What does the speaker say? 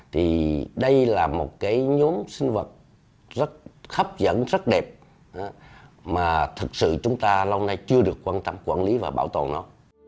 thì đây là một cái nhóm sinh vật rất hấp dẫn rất đẹp mà thực sự chúng ta lâu nay chưa được quan tâm quản lý và bảo tồn nó